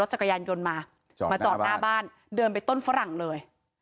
หน้าบ้านเดินไปต้นฝรั่งเลย